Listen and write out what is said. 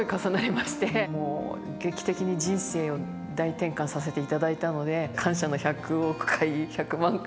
もう劇的に人生を大転換させていただいたので感謝の１００億回１００万回。